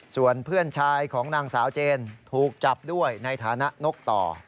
ส่วนเพื่อนชายของนางสาวเจนถูกจับด้วยในฐานะนกต่อ